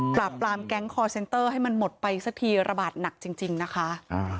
ปราบปรามแก๊งคอร์เซ็นเตอร์ให้มันหมดไปสักทีระบาดหนักจริงนะคะ